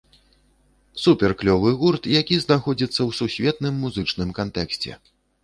Супер-клёвы гурт, які знаходзіцца ў сусветным музычным кантэксце.